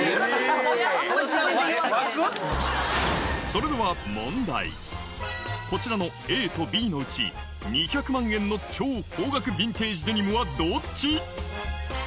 それではこちらのＡとＢのうち２００万円の超高額ヴィンテージデニムはどっち？